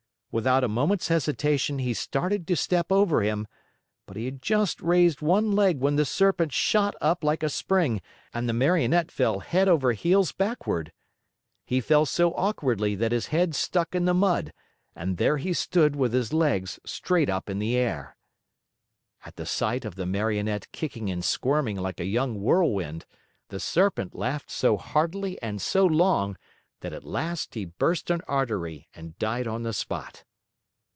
Without a moment's hesitation, he started to step over him, but he had just raised one leg when the Serpent shot up like a spring and the Marionette fell head over heels backward. He fell so awkwardly that his head stuck in the mud, and there he stood with his legs straight up in the air. At the sight of the Marionette kicking and squirming like a young whirlwind, the Serpent laughed so heartily and so long that at last he burst an artery and died on the spot.